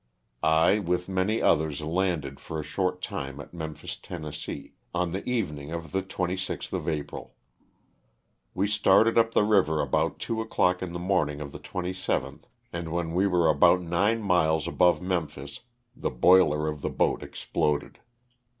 I, with many others, landed for a short time at Memphis, Tenn., on the evening of the 26th of April. We started up the river about two o'clock in the morniog of the 27th, and when we were about nine miles above Memphis the boiler of the boat exploded.